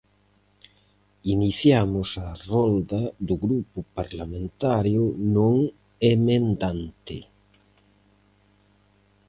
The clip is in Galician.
Iniciamos a rolda do grupo parlamentario non emendante.